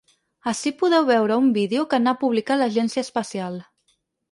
Ací podeu veure un vídeo que n’ha publicat l’agència espacial.